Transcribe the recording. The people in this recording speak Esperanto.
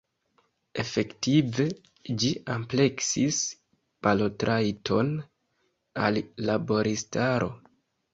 Efektive, ĝi ampleksis balotrajton al laboristaro.